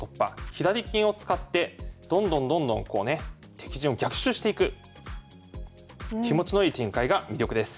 左金を使ってどんどんどんどんこうね敵陣を逆襲していく気持ちのいい展開が魅力です。